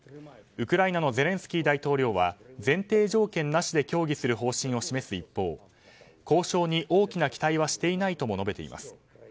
ウクライナのゼレンスキー大統領は前提条件なしで協議する方針を示す一方交渉に大きな期待はしていないとも述べています。